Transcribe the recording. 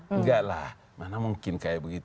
enggak lah mana mungkin kayak begitu